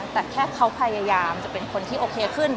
แต่แค่เขาพยายามจะเป็นคนที่โอเคขึ้น